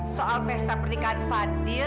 soal pesta pernikahan fadil